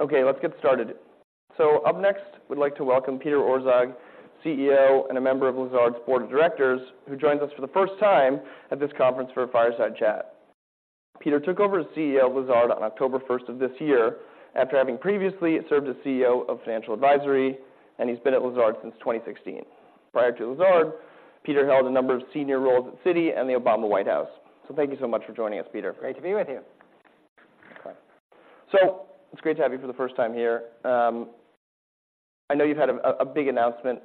Okay, let's get started. So up next, we'd like to welcome Peter Orszag, CEO, and a member of Lazard's Board of Directors, who joins us for the first time at this conference for a fireside chat. Peter took over as CEO of Lazard on October first of this year, after having previously served as CEO of Financial Advisory, and he's been at Lazard since 2016. Prior to Lazard, Peter held a number of senior roles at Citi and the Obama White House. So thank you so much for joining us, Peter. Great to be with you. Okay. So it's great to have you for the first time here. I know you've had a big announcement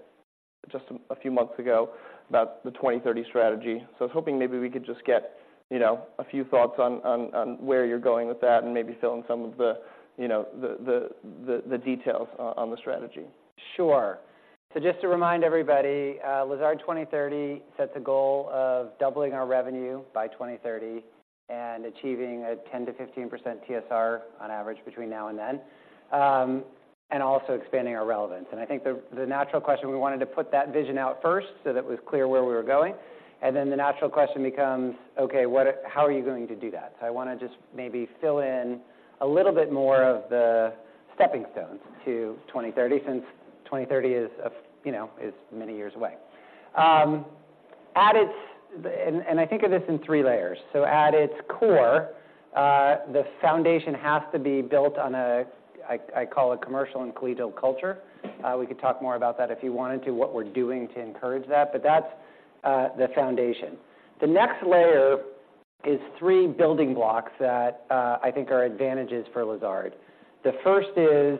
just a few months ago about the 2030 strategy, so I was hoping maybe we could just get, you know, a few thoughts on where you're going with that and maybe fill in some of the, you know, the details on the strategy. Sure. So just to remind everybody, Lazard 2030 sets a goal of doubling our revenue by 2030 and achieving a 10%-15% TSR on average between now and then, and also expanding our relevance. And I think the natural question, we wanted to put that vision out first so that it was clear where we were going. And then the natural question becomes: Okay, what... How are you going to do that? So I want to just maybe fill in a little bit more of the stepping stones to 2030, since 2030 is a, you know, is many years away. At its core, I think of this in three layers. So at its core, the foundation has to be built on what I call a commercial and collegial culture. We could talk more about that if you wanted to, what we're doing to encourage that, but that's the foundation. The next layer is three building blocks that I think are advantages for Lazard. The first is,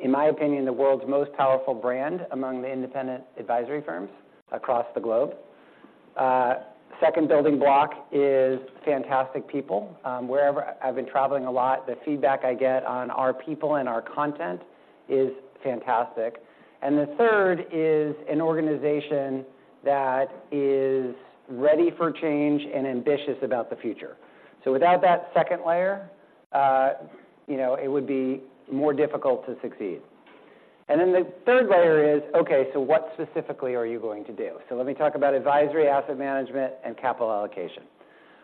in my opinion, the world's most powerful brand among the independent advisory firms across the globe. Second building block is fantastic people. Wherever I've been traveling a lot, the feedback I get on our people and our content is fantastic. And the third is an organization that is ready for change and ambitious about the future. So without that second layer, you know, it would be more difficult to succeed. And then the third layer is: Okay, so what specifically are you going to do? So let me talk about advisory, asset management, and capital allocation.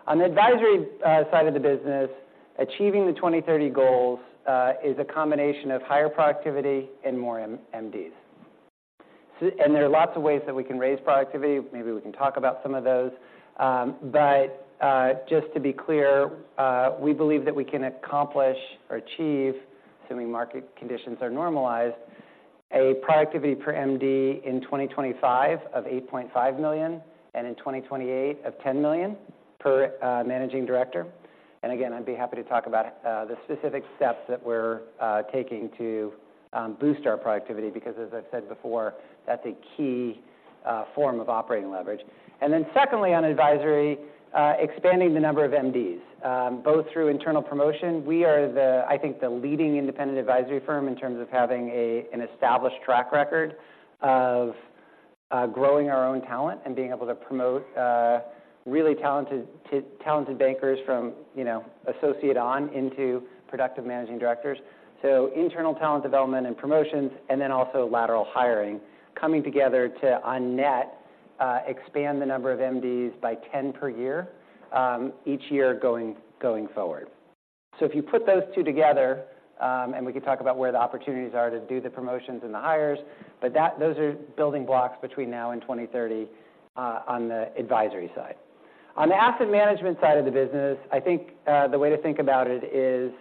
On the advisory side of the business, achieving the 2030 goals is a combination of higher productivity and more MDs. And there are lots of ways that we can raise productivity. Maybe we can talk about some of those. But just to be clear, we believe that we can accomplish or achieve, assuming market conditions are normalized, a productivity per MD in 2025 of $8.5 million, and in 2028 of $10 million per managing director. And again, I'd be happy to talk about the specific steps that we're taking to boost our productivity, because as I've said before, that's a key form of operating leverage. And then secondly, on advisory, expanding the number of MDs both through internal promotion. We are the... I think, the leading independent advisory firm in terms of having a, an established track record of, growing our own talent and being able to promote, really talented bankers from, you know, associate on into productive managing directors. So internal talent development and promotions, and then also lateral hiring, coming together to, on net, expand the number of MDs by 10 per year, each year going forward. So if you put those two together, and we can talk about where the opportunities are to do the promotions and the hires, but those are building blocks between now and 2030, on the advisory side. On the asset management side of the business, I think, the way to think about it is,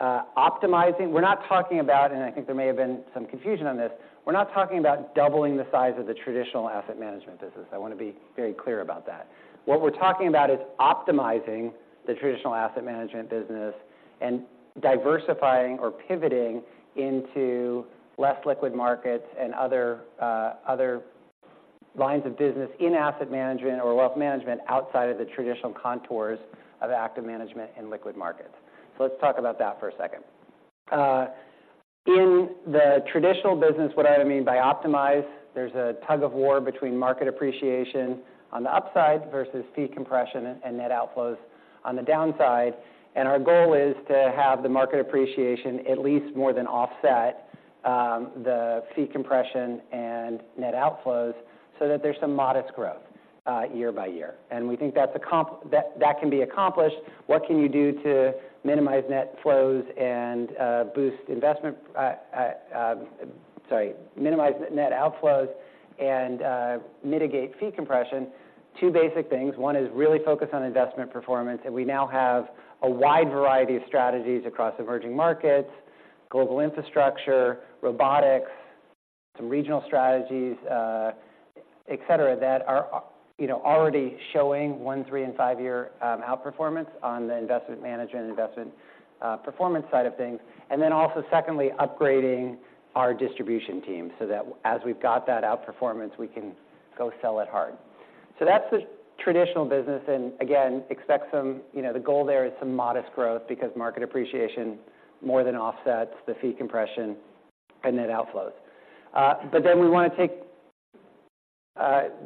optimizing. We're not talking about, and I think there may have been some confusion on this, we're not talking about doubling the size of the traditional asset management business. I want to be very clear about that. What we're talking about is optimizing the traditional asset management business and diversifying or pivoting into less liquid markets and other, other lines of business in asset management or wealth management outside of the traditional contours of active management in liquid markets. So let's talk about that for a second. In the traditional business, what I mean by optimize, there's a tug-of-war between market appreciation on the upside versus fee compression and net outflows on the downside. And our goal is to have the market appreciation at least more than offset, the fee compression and net outflows so that there's some modest growth, year by year. And we think that can be accomplished. What can you do to minimize net outflows and mitigate fee compression? Two basic things. One is really focus on investment performance, and we now have a wide variety of strategies across emerging markets, global infrastructure, robotics, some regional strategies, et cetera, that are, you know, already showing one, three, and five-year outperformance on the investment management, investment, performance side of things. And then also, secondly, upgrading our distribution team so that as we've got that outperformance, we can go sell it hard. So that's the traditional business, and again, expect some. You know, the goal there is some modest growth because market appreciation more than offsets the fee compression and net outflows. But then we want to take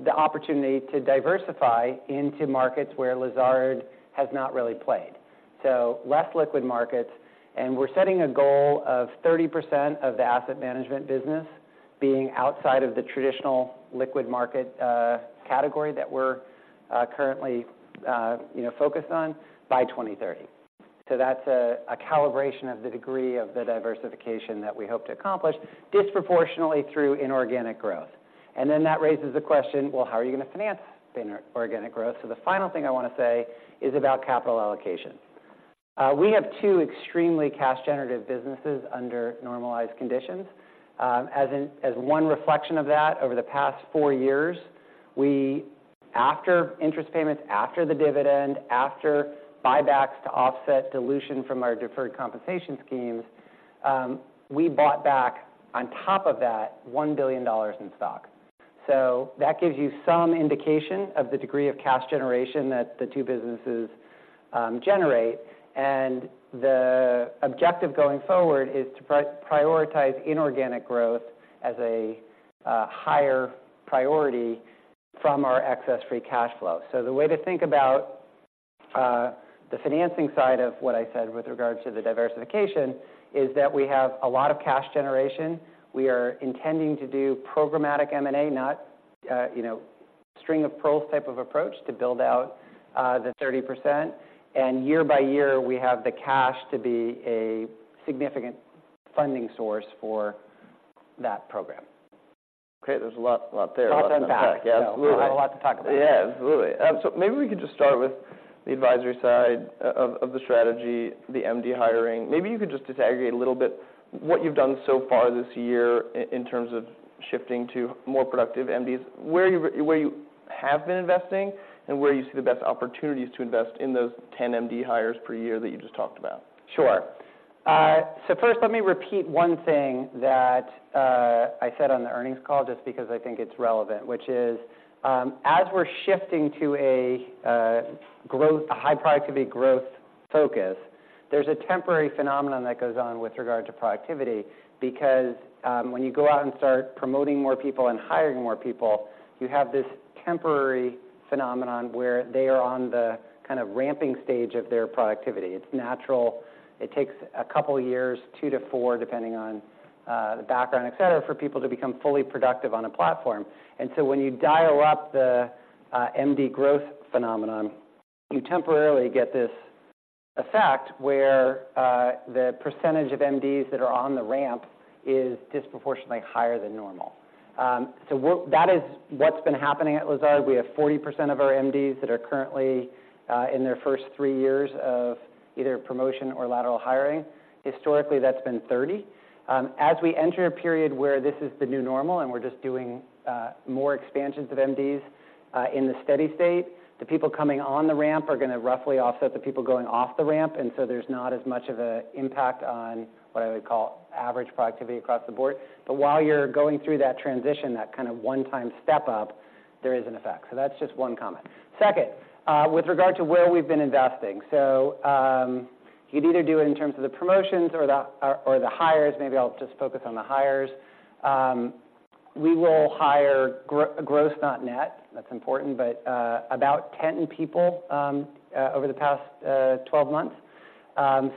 the opportunity to diversify into markets where Lazard has not really played, so less liquid markets, and we're setting a goal of 30% of the Asset Management business being outside of the traditional liquid market category that we're, you know, focused on by 2030. So that's a calibration of the degree of the diversification that we hope to accomplish, disproportionately through inorganic growth. And then that raises the question: Well, how are you going to finance the inorganic growth? So the final thing I want to say is about capital allocation. We have two extremely cash-generative businesses under normalized conditions. As one reflection of that, over the past four years, we... After interest payments, after the dividend, after buybacks to offset dilution from our deferred compensation schemes, we bought back, on top of that, $1 billion in stock. So that gives you some indication of the degree of cash generation that the two businesses generate. And the objective going forward is to prioritize inorganic growth as a higher priority from our excess free cash flow. So the way to think about the financing side of what I said with regards to the diversification is that we have a lot of cash generation. We are intending to do programmatic M&A, not you know, string-of-pearls type of approach to build out the 30%. And year by year, we have the cash to be a significant funding source for that program. Okay, there's a lot, lot there. A lot to unpack. Yeah, absolutely. I have a lot to talk about. Yeah, absolutely. So maybe we could just start with the advisory side of the strategy, the MD hiring. Maybe you could just disaggregate a little bit what you've done so far this year in terms of shifting to more productive MDs, where you, where you have been investing, and where you see the best opportunities to invest in those 10 MD hires per year that you just talked about. Sure. So first, let me repeat one thing that I said on the earnings call, just because I think it's relevant, which is, as we're shifting to a high productivity growth focus, there's a temporary phenomenon that goes on with regard to productivity. Because, when you go out and start promoting more people and hiring more people, you have this temporary phenomenon where they are on the kind of ramping stage of their productivity. It's natural. It takes a couple of years, 2-4, depending on the background, et cetera, for people to become fully productive on a platform. And so when you dial up the MD growth phenomenon, you temporarily get this effect where the percentage of MDs that are on the ramp is disproportionately higher than normal. So, that is what's been happening at Lazard. We have 40% of our MDs that are currently in their first three years of either promotion or lateral hiring. Historically, that's been 30%. As we enter a period where this is the new normal and we're just doing more expansions of MDs in the steady state, the people coming on the ramp are going to roughly offset the people going off the ramp, and so there's not as much of a impact on what I would call average productivity across the board. But while you're going through that transition, that kind of one-time step up, there is an effect. So that's just one comment. Second, with regard to where we've been investing. So, you'd either do it in terms of the promotions or the hires. Maybe I'll just focus on the hires. We will hire gross, not net. That's important, but about 10 people over the past 12 months,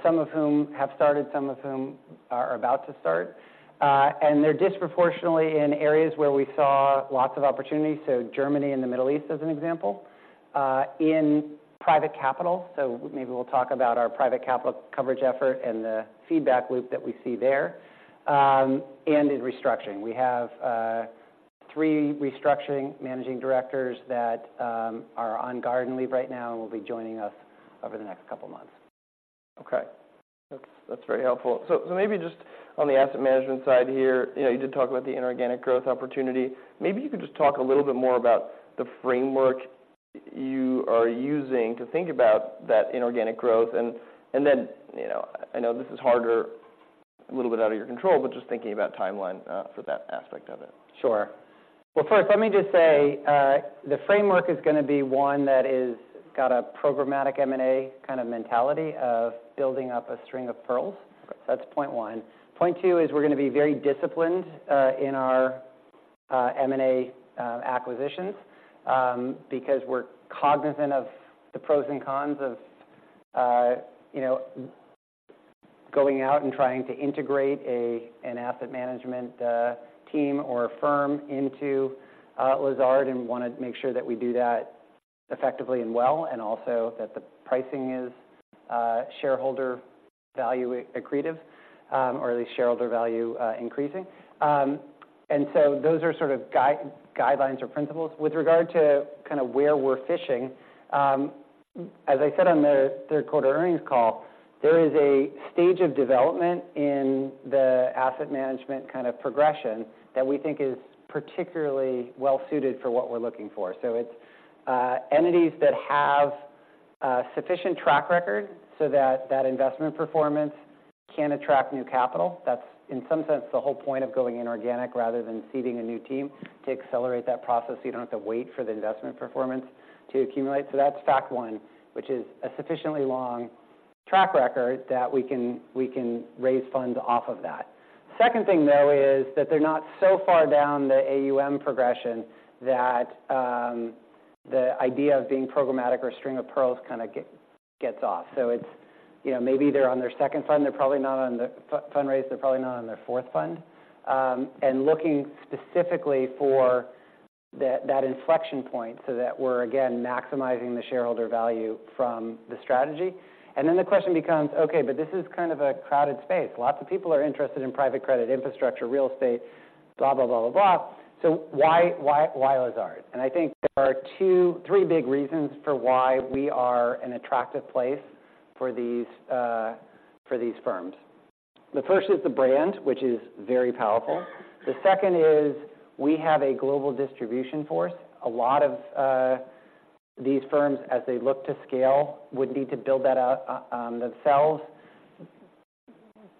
some of whom have started, some of whom are, are about to start. They're disproportionately in areas where we saw lots of opportunities, so Germany and the Middle East, as an example. In private capital, so maybe we'll talk about our private capital coverage effort and the feedback loop that we see there, and in restructuring. We have 3 restructuring managing directors that are on garden leave right now and will be joining us over the next couple of months. Okay. That's very helpful. So maybe just on the asset management side here, you know, you did talk about the inorganic growth opportunity. Maybe you could just talk a little bit more about the framework you are using to think about that inorganic growth and then, you know, I know this is harder, a little bit out of your control, but just thinking about timeline for that aspect of it. Sure. Well, first, let me just say- Yeah The framework is going to be one that is got a programmatic M&A kind of mentality of building up a string of pearls. Okay. That's point one. Point two is we're going to be very disciplined in our M&A acquisitions because we're cognizant of the pros and cons of you know going out and trying to integrate an asset management team or a firm into Lazard and want to make sure that we do that effectively and well and also that the pricing is shareholder value accretive or at least shareholder value increasing. And so those are sort of guidelines or principles. With regard to kind of where we're fishing as I said on the third quarter earnings call there is a stage of development in the asset management kind of progression that we think is particularly well suited for what we're looking for. So it's entities that have a sufficient track record so that that investment performance can attract new capital. That's, in some sense, the whole point of going inorganic rather than seeding a new team to accelerate that process, so you don't have to wait for the investment performance to accumulate. So that's fact one, which is a sufficiently long track record that we can raise funds off of that. Second thing, though, is that they're not so far down the AUM progression that the idea of being programmatic or string of pearls kind of gets off. So it's, you know, maybe they're on their second fund. They're probably not on the fundraise. They're probably not on their fourth fund. And looking specifically for that inflection point, so that we're, again, maximizing the shareholder value from the strategy. And then the question becomes: Okay, but this is kind of a crowded space. Lots of people are interested in private credit, infrastructure, real estate, blah, blah, blah, blah, blah. So why, why, why Lazard? And I think there are two-three big reasons for why we are an attractive place for these, for these firms. The first is the brand, which is very powerful. The second is we have a global distribution force. A lot of, these firms, as they look to scale, would need to build that out, themselves.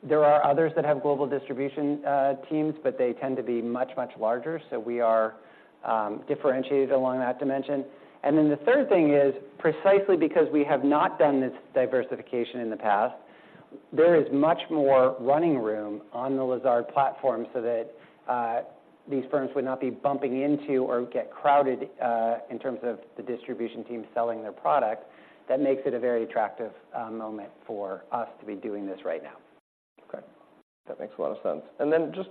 There are others that have global distribution, teams, but they tend to be much, much larger, so we are, differentiated along that dimension. And then the third thing is, precisely because we have not done this diversification in the past, there is much more running room on the Lazard platform so that, these firms would not be bumping into or get crowded, in terms of the distribution team selling their product. That makes it a very attractive, moment for us to be doing this right now. Okay, that makes a lot of sense. And then just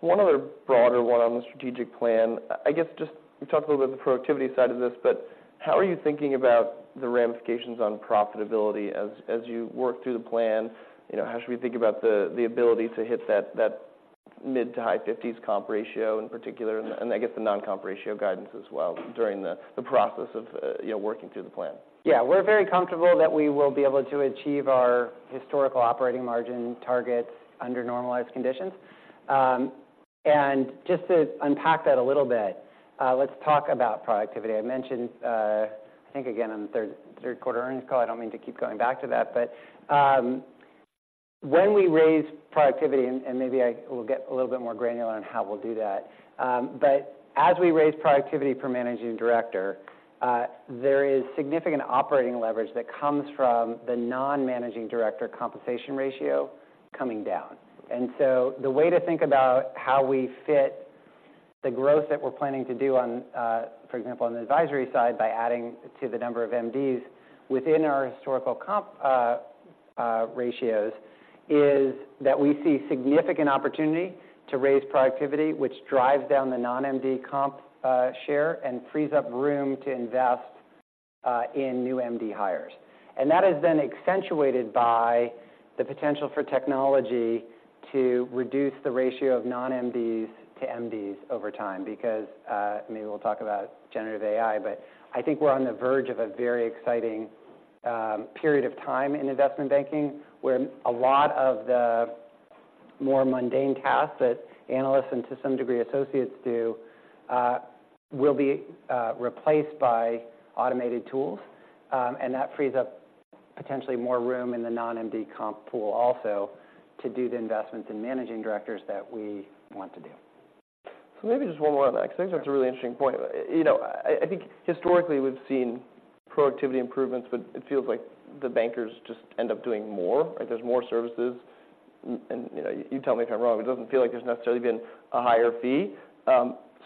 one other broader one on the strategic plan. I guess just... You talked a little bit the productivity side of this, but how are you thinking about the ramifications on profitability as you work through the plan? You know, how should we think about the ability to hit that mid- to high-50s comp ratio in particular, and I guess the non-comp ratio guidance as well during the process of, you know, working through the plan? Yeah, we're very comfortable that we will be able to achieve our historical operating margin targets under normalized conditions. Just to unpack that a little bit, let's talk about productivity. I mentioned, I think again, on the third quarter earnings call, I don't mean to keep going back to that, but when we raise productivity, and maybe I will get a little bit more granular on how we'll do that. But as we raise productivity per managing director, there is significant operating leverage that comes from the non-managing director compensation ratio coming down. And so the way to think about how we fit the growth that we're planning to do on, for example, on the advisory side, by adding to the number of MDs within our historical comp ratios, is that we see significant opportunity to raise productivity, which drives down the non-MD comp share and frees up room to invest in new MD hires. And that is then accentuated by the potential for technology to reduce the ratio of non-MDs to MDs over time, because... Maybe we'll talk about generative AI, but I think we're on the verge of a very exciting period of time in investment banking, where a lot of the more mundane tasks that analysts and to some degree, associates do will be replaced by automated tools. That frees up potentially more room in the non-MD comp pool also to do the investments in Managing Directors that we want to do. So maybe just one more on that, because I think that's a really interesting point. You know, I think historically we've seen productivity improvements, but it feels like the bankers just end up doing more. Like, there's more services and, you know, you tell me if I'm wrong, it doesn't feel like there's necessarily been a higher fee.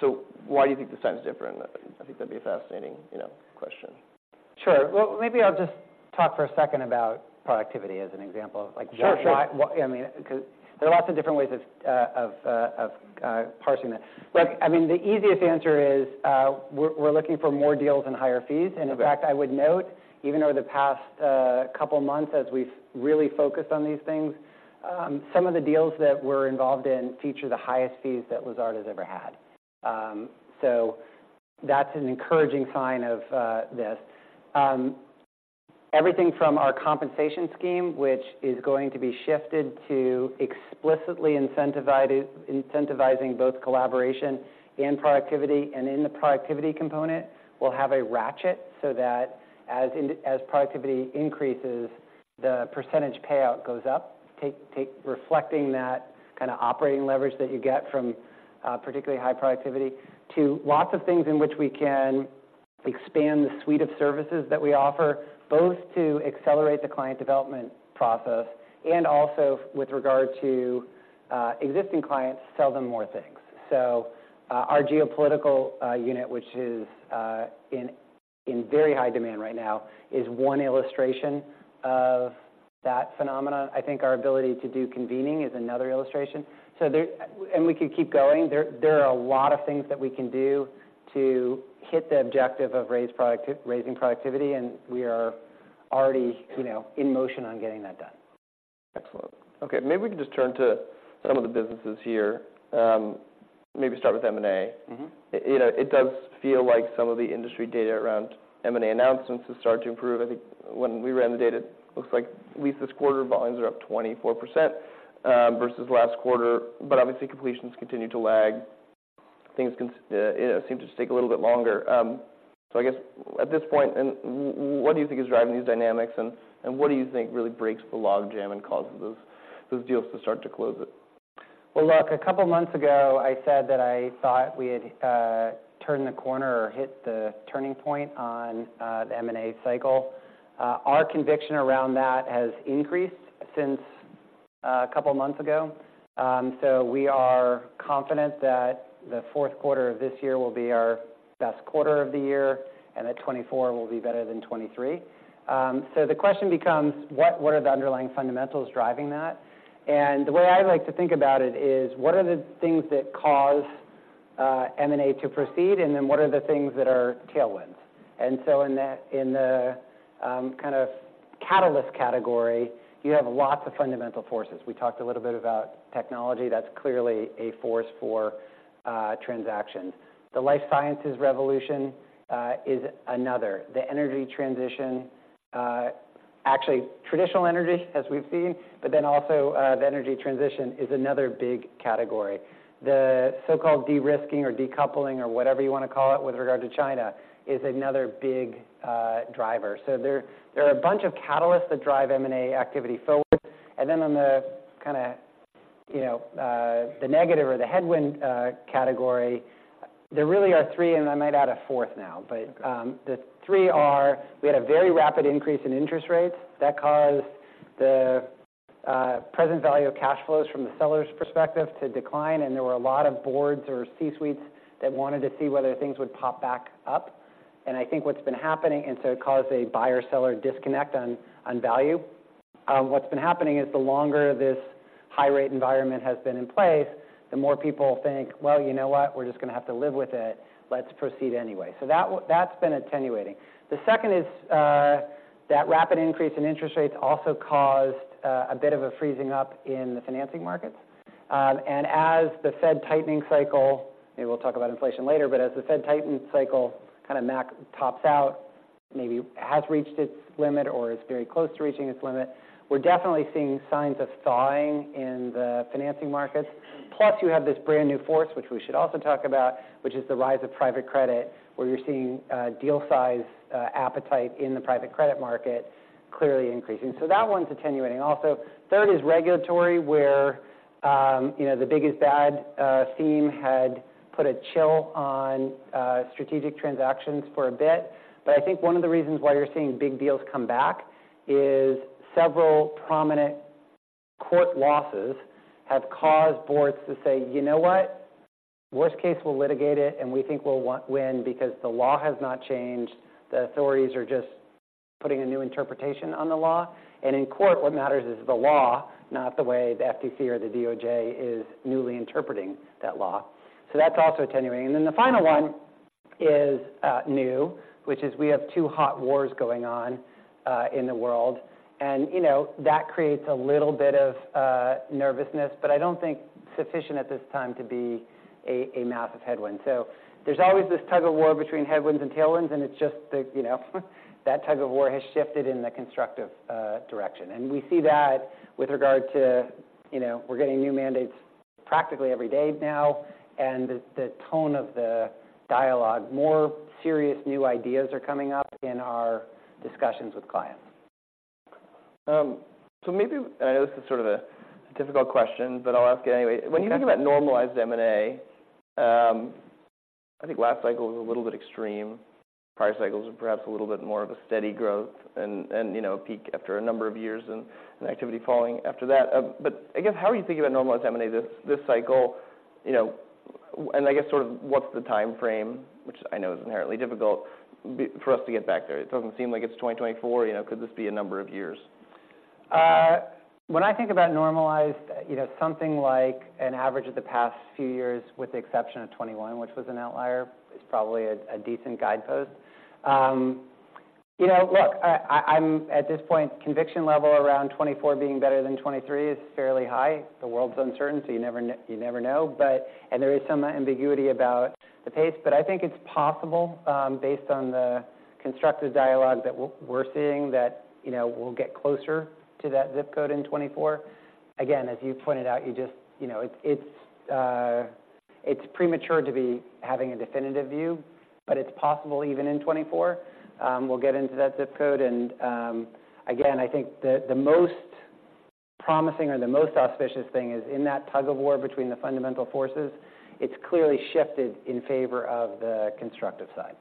So why do you think this time is different? I think that'd be a fascinating, you know, question. Sure. Well, maybe I'll just talk for a second about productivity as an example of, like— Sure, sure. I mean, 'cause there are lots of different ways of parsing that. Right. I mean, the easiest answer is, we're looking for more deals and higher fees. Okay. In fact, I would note, even over the past couple of months, as we've really focused on these things, some of the deals that we're involved in feature the highest fees that Lazard has ever had. So that's an encouraging sign of this. Everything from our compensation scheme, which is going to be shifted to explicitly incentivizing both collaboration and productivity, and in the productivity component, we'll have a ratchet so that as productivity increases, the percentage payout goes up, reflecting that kind of operating leverage that you get from particularly high productivity, to lots of things in which we can expand the suite of services that we offer, both to accelerate the client development process and also with regard to existing clients, sell them more things. So, our geopolitical unit, which is in very high demand right now, is one illustration of that phenomena. I think our ability to do convening is another illustration. And we could keep going. There are a lot of things that we can do to hit the objective of raising productivity, and we are already, you know, in motion on getting that done. Excellent. Okay, maybe we can just turn to some of the businesses here. Maybe start with M&A. Mm-hmm. You know, it does feel like some of the industry data around M&A announcements is starting to improve. I think when we ran the data, it looks like at least this quarter, volumes are up 24%, versus last quarter, but obviously completions continue to lag. Things, you know, seem to just take a little bit longer. So I guess at this point, what do you think is driving these dynamics, and what do you think really breaks the logjam and causes those, those deals to start to close it? Well, look, a couple of months ago, I said that I thought we had turned the corner or hit the turning point on the M&A cycle. Our conviction around that has increased since a couple months ago. So we are confident that the fourth quarter of this year will be our best quarter of the year, and that 2024 will be better than 2023. So the question becomes: what are the underlying fundamentals driving that? And the way I like to think about it is, what are the things that cause M&A to proceed, and then what are the things that are tailwinds? And so in the kind of catalyst category, you have lots of fundamental forces. We talked a little bit about technology. That's clearly a force for transactions. The life sciences revolution is another. The energy transition, actually, traditional energy, as we've seen, but then also, the energy transition is another big category. The so-called de-risking or decoupling or whatever you want to call it, with regard to China, is another big driver. So there are a bunch of catalysts that drive M&A activity forward. And then on the kinda, you know, the negative or the headwind, category, there really are three, and I might add a fourth now. Okay. But the three are: we had a very rapid increase in interest rates that caused the present value of cash flows from the seller's perspective to decline, and there were a lot of boards or C-suites that wanted to see whether things would pop back up. And I think what's been happening and so it caused a buyer-seller disconnect on value. What's been happening is the longer this high rate environment has been in place, the more people think, "Well, you know what? We're just going to have to live with it. Let's proceed anyway." So that's been attenuating. The second is that rapid increase in interest rates also caused a bit of a freezing up in the financing markets. And as the Fed tightening cycle, maybe we'll talk about inflation later, but as the Fed tightening cycle kind of tops out, maybe has reached its limit or is very close to reaching its limit, we're definitely seeing signs of thawing in the financing markets. Plus, you have this brand-new force, which we should also talk about, which is the rise of private credit, where you're seeing deal size appetite in the private credit market clearly increasing. So that one's attenuating also. Third is regulatory, where you know, the big is bad theme had put a chill on strategic transactions for a bit. But I think one of the reasons why you're seeing big deals come back is several prominent court losses have caused boards to say, "You know what? Worst case, we'll litigate it, and we think we'll win because the law has not changed. The authorities are just putting a new interpretation on the law. And in court, what matters is the law, not the way the FTC or the DOJ is newly interpreting that law." So that's also attenuating. And then the final one is new, which is we have two hot wars going on in the world. And, you know, that creates a little bit of nervousness, but I don't think sufficient at this time to be a massive headwind. So there's always this tug-of-war between headwinds and tailwinds, and it's just that, you know, that tug-of-war has shifted in the constructive direction. And we see that with regard to... You know, we're getting new mandates practically every day now, and the tone of the dialogue, more serious new ideas are coming up in our discussions with clients. So maybe, I know this is sort of a difficult question, but I'll ask you anyway. Okay. When you think about normalized M&A, I think last cycle was a little bit extreme. Prior cycles were perhaps a little bit more of a steady growth and, you know, peak after a number of years and activity falling after that. But I guess, how are you thinking about normalized M&A this cycle? You know, and I guess sort of, what's the timeframe, which I know is inherently difficult for us to get back there? It doesn't seem like it's 2024, you know. Could this be a number of years? When I think about normalized, you know, something like an average of the past few years, with the exception of 2021, which was an outlier, is probably a decent guidepost. You know, look, I'm at this point, conviction level around 2024 being better than 2023 is fairly high. The world's uncertain, so you never know. But and there is some ambiguity about the pace, but I think it's possible, based on the constructive dialogue that we're seeing, that, you know, we'll get closer to that zip code in 2024. Again, as you pointed out, you know, it's premature to be having a definitive view, but it's possible even in 2024, we'll get into that zip code. Again, I think the most promising or the most auspicious thing is in that tug-of-war between the fundamental forces. It's clearly shifted in favor of the constructive side.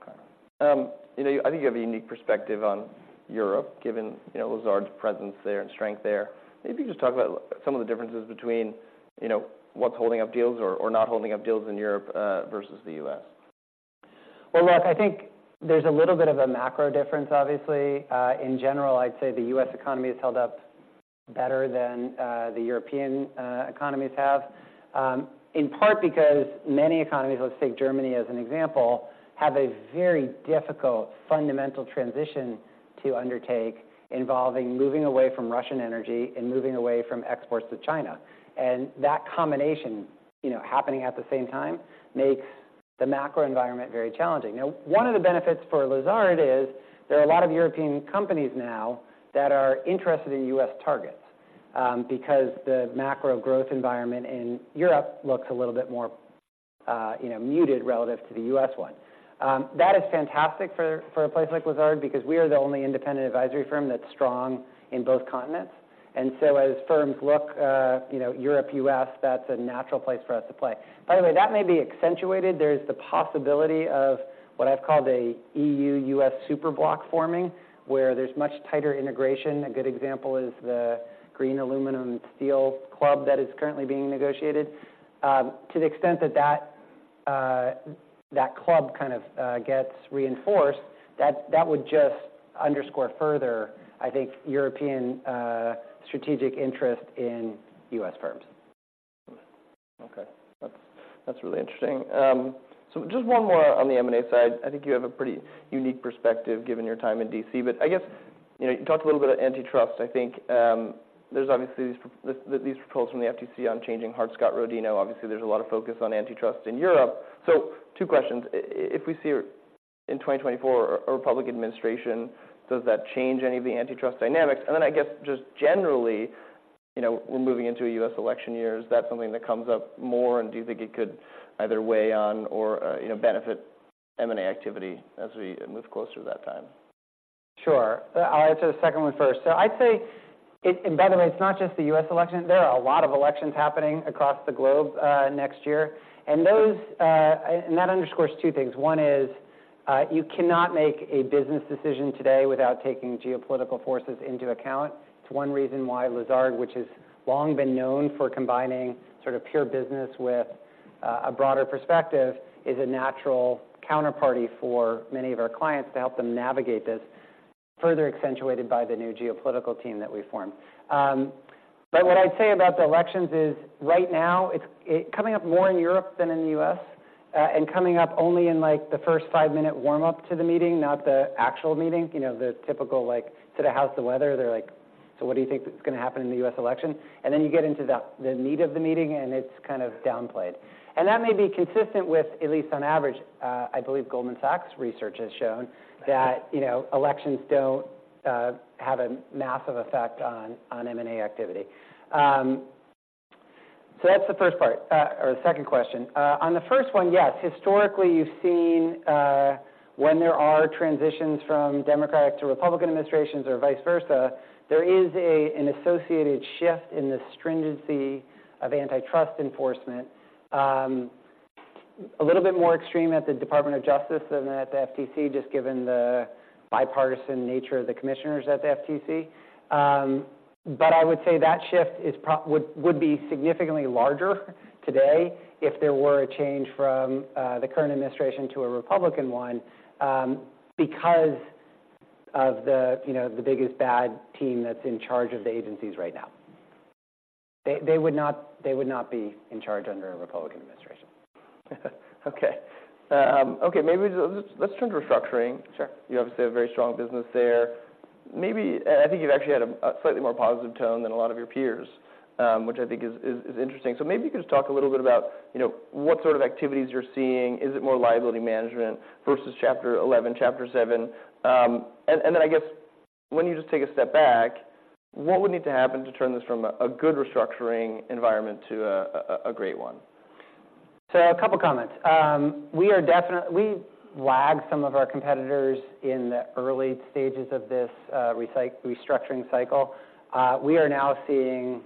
Okay. You know, I think you have a unique perspective on Europe, given, you know, Lazard's presence there and strength there. Maybe just talk about some of the differences between, you know, what's holding up deals or not holding up deals in Europe versus the U.S. Well, look, I think there's a little bit of a macro difference, obviously. In general, I'd say the U.S. economy has held up better than the European economies have. In part because many economies, let's take Germany as an example, have a very difficult fundamental transition to undertake, involving moving away from Russian energy and moving away from exports to China. And that combination, you know, happening at the same time, makes the macro environment very challenging. Now, one of the benefits for Lazard is there are a lot of European companies now that are interested in U.S. targets, because the macro growth environment in Europe looks a little bit more, you know, muted relative to the U.S. one. That is fantastic for a place like Lazard because we are the only independent advisory firm that's strong in both continents. And so, as firms look, you know, Europe, U.S., that's a natural place for us to play. By the way, that may be accentuated. There's the possibility of what I've called a E.U.-U.S. super bloc forming, where there's much tighter integration. A good example is the green aluminum and steel club that is currently being negotiated. To the extent that that club kind of gets reinforced, that would just underscore further, I think, European strategic interest in U.S. firms. Okay. That's, that's really interesting. So just one more on the M&A side. I think you have a pretty unique perspective, given your time in D.C., but I guess, you know, you talked a little bit of antitrust. I think, there's obviously these proposals from the FTC on changing Hart-Scott-Rodino. Obviously, there's a lot of focus on antitrust in Europe. So two questions: If we see in 2024 a Republican administration, does that change any of the antitrust dynamics? And then, I guess, just generally, you know, we're moving into a U.S. election year, is that something that comes up more, and do you think it could either weigh on or, you know, benefit M&A activity as we move closer to that time? Sure. I'll answer the second one first. So I'd say it and by the way, it's not just the U.S. election. There are a lot of elections happening across the globe next year, and that underscores two things. One is, you cannot make a business decision today without taking geopolitical forces into account. It's one reason why Lazard, which has long been known for combining sort of pure business with a broader perspective, is a natural counterparty for many of our clients to help them navigate this, further accentuated by the new geopolitical team that we formed. But what I'd say about the elections is, right now, it's coming up more in Europe than in the U.S., and coming up only in, like, the first five-minute warm-up to the meeting, not the actual meeting. You know, the typical, like, to the house, the weather. They're like: "So what do you think is gonna happen in the U.S. election?" And then you get into the meat of the meeting, and it's kind of downplayed. And that may be consistent with, at least on average, I believe Goldman Sachs research has shown that, you know, elections don't have a massive effect on M&A activity. So that's the first part... or the second question. On the first one, yes, historically, you've seen, when there are transitions from Democratic to Republican administrations or vice versa, there is an associated shift in the stringency of antitrust enforcement. A little bit more extreme at the Department of Justice than at the FTC, just given the bipartisan nature of the commissioners at the FTC. But I would say that shift would be significantly larger today if there were a change from the current administration to a Republican one, because of the, you know, the big is bad team that's in charge of the agencies right now. They would not be in charge under a Republican administration. Okay. Okay, maybe let's turn to restructuring. Sure. You obviously have a very strong business there. Maybe... And I think you've actually had a slightly more positive tone than a lot of your peers, which I think is interesting. So maybe you could just talk a little bit about, you know, what sort of activities you're seeing. Is it more liability management versus Chapter Eleven, Chapter Seven? And then I guess when you just take a step back, what would need to happen to turn this from a good restructuring environment to a great one? So a couple comments. We definitely lagged some of our competitors in the early stages of this restructuring cycle. We are now seeing,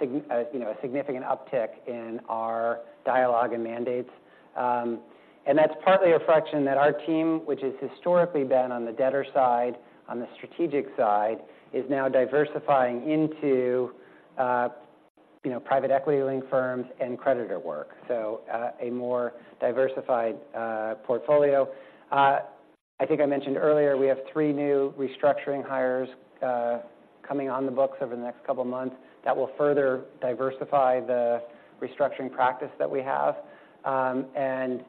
you know, a significant uptick in our dialogue and mandates. And that's partly a reflection that our team, which has historically been on the debtor side, on the strategic side, is now diversifying into, you know, private equity-linked firms and creditor work. So, a more diversified portfolio. I think I mentioned earlier, we have three new restructuring hires coming on the books over the next couple of months that will further diversify the restructuring practice that we have. And,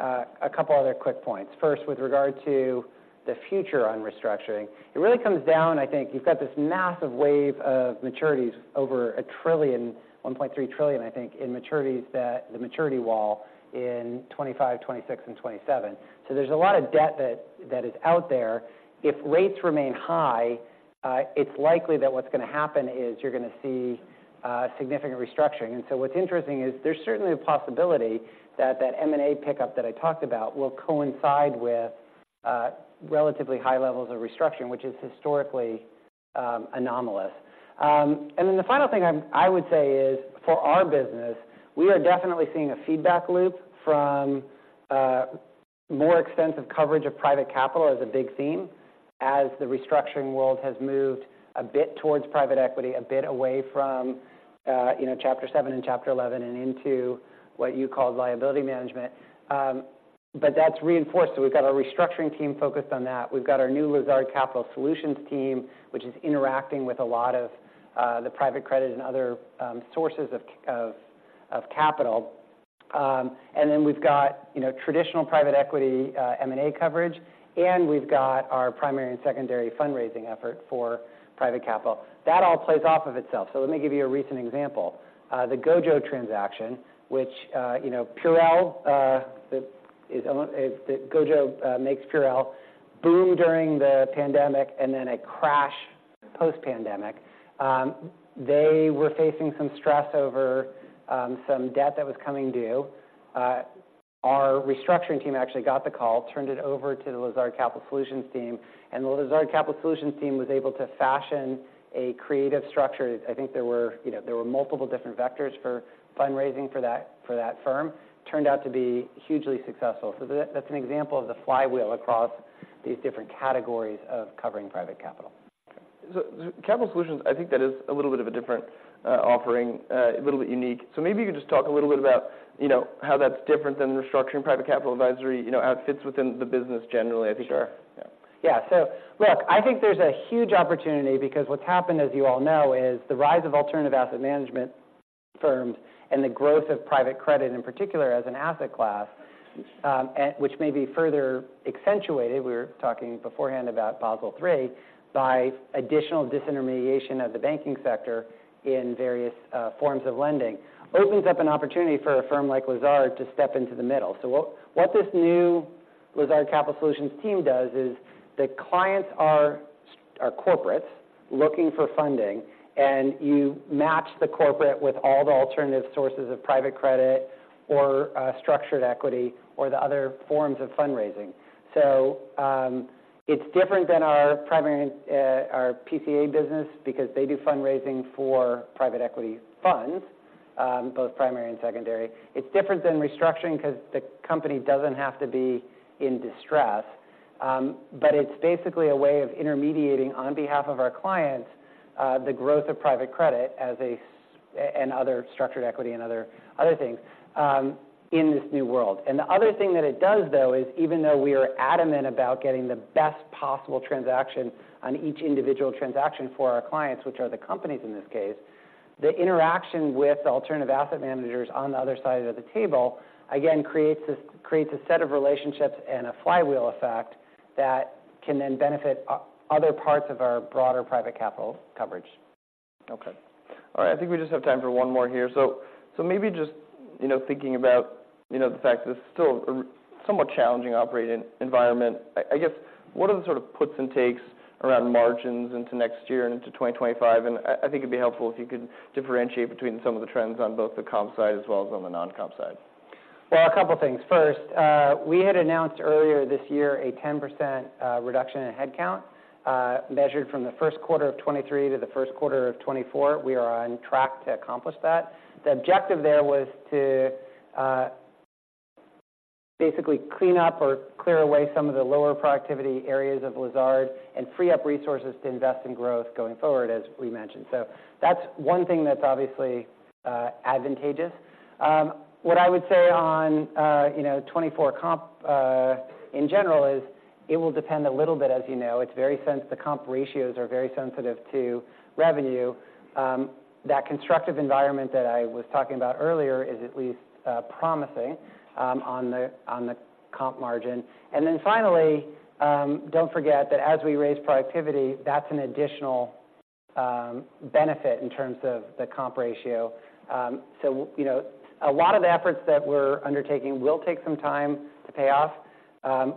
a couple other quick points. First, with regard to the future on restructuring, it really comes down, I think... You've got this massive wave of maturities over $1 trillion, $1.3 trillion, I think, in maturities that the maturity wall in 2025, 2026, and 2027. So there's a lot of debt that is out there. If rates remain high, it's likely that what's gonna happen is you're gonna see significant restructuring. And so what's interesting is there's certainly a possibility that that M&A pickup that I talked about will coincide with relatively high levels of restructuring, which is historically anomalous. And then the final thing I would say is, for our business, we are definitely seeing a feedback loop from more extensive coverage of private capital as a big theme, as the restructuring world has moved a bit towards private equity, a bit away from you know, Chapter Seven and Chapter Eleven, and into what you called liability management. But that's reinforced. So we've got our restructuring team focused on that. We've got our new Lazard Capital Solutions team, which is interacting with a lot of the private credit and other sources of capital. And then we've got, you know, traditional private equity M&A coverage, and we've got our primary and secondary fundraising effort for private capital. That all plays off of itself. So let me give you a recent example. The GOJO transaction, which, you know, Purell. GOJO makes Purell, boomed during the pandemic and then it crashed post-pandemic. They were facing some stress over some debt that was coming due. Our restructuring team actually got the call, turned it over to the Lazard Capital Solutions team, and the Lazard Capital Solutions team was able to fashion a creative structure. I think there were, you know, there were multiple different vectors for fundraising for that, for that firm. Turned out to be hugely successful. So that, that's an example of the flywheel across these different categories of covering private capital.... So, the Capital Solutions, I think that is a little bit of a different offering, a little bit unique. So maybe you could just talk a little bit about, you know, how that's different than the structuring private capital advisory, you know, how it fits within the business generally, I think. Sure. Yeah. Yeah. So look, I think there's a huge opportunity because what's happened, as you all know, is the rise of alternative asset management firms and the growth of private credit, in particular, as an asset class, at which may be further accentuated, we were talking beforehand about Basel III, by additional disintermediation of the banking sector in various forms of lending. Opens up an opportunity for a firm like Lazard to step into the middle. So what this new Lazard Capital Solutions team does is, the clients are corporates looking for funding, and you match the corporate with all the alternative sources of private credit or structured equity or the other forms of fundraising. So it's different than our primary our PCA business because they do fundraising for private equity funds, both primary and secondary. It's different than restructuring 'cause the company doesn't have to be in distress. But it's basically a way of intermediating on behalf of our clients, the growth of private credit and other structured equity and other things, in this new world. The other thing that it does, though, is even though we are adamant about getting the best possible transaction on each individual transaction for our clients, which are the companies in this case, the interaction with the alternative asset managers on the other side of the table, again, creates a set of relationships and a flywheel effect that can then benefit other parts of our broader private capital coverage. Okay. All right, I think we just have time for one more here. So maybe just, you know, thinking about, you know, the fact that it's still a somewhat challenging operating environment, I guess, what are the sort of puts and takes around margins into next year and into 2025? And I think it'd be helpful if you could differentiate between some of the trends on both the comp side as well as on the non-comp side. Well, a couple things. First, we had announced earlier this year a 10% reduction in headcount, measured from the first quarter of 2023 to the first quarter of 2024. We are on track to accomplish that. The objective there was to basically clean up or clear away some of the lower productivity areas of Lazard and free up resources to invest in growth going forward, as we mentioned. So that's one thing that's obviously advantageous. What I would say on, you know, 2024 comp in general is it will depend a little bit, as you know, it's very sensitive, the comp ratios are very sensitive to revenue. That constructive environment that I was talking about earlier is at least promising on the comp margin. And then finally, don't forget that as we raise productivity, that's an additional benefit in terms of the comp ratio. So, you know, a lot of the efforts that we're undertaking will take some time to pay off.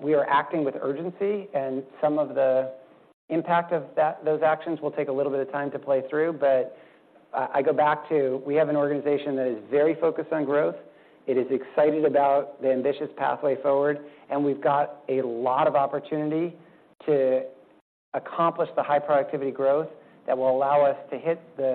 We are acting with urgency, and some of the impact of that, those actions will take a little bit of time to play through. But, I go back to, we have an organization that is very focused on growth. It is excited about the ambitious pathway forward, and we've got a lot of opportunity to accomplish the high productivity growth that will allow us to hit the-